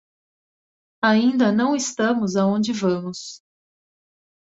Ainda não estamos aonde vamos.